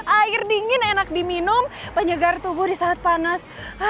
air dingin enak diminum penyegar tubuh di saat panas